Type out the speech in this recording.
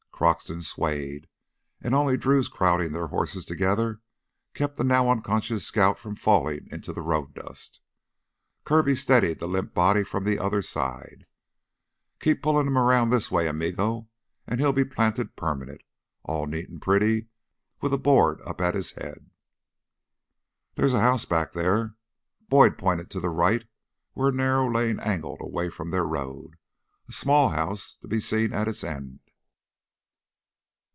Croxton swayed and only Drew's crowding their horses together kept the now unconscious scout from falling into the road dust. Kirby steadied the limp body from the other side. "Keep pullin' him 'round this way, amigo, an' he'll be planted permanent, all neat an' pretty with a board up at his head." "There's a house back there." Boyd pointed to the right, where a narrow lane angled away from their road, a small house to be seen at its end.